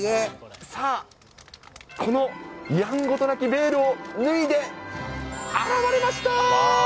さあ、このやんごとなきベールを脱いで、現れました。